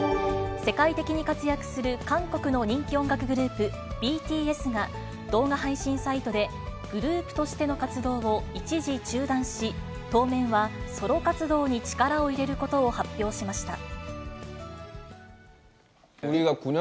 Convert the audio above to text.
世界的に活躍する韓国の人気音楽グループ、ＢＴＳが、動画配信サイトで、グループとしての活動を一時中断し、当面はソロ活動に力を入れることを発表しました。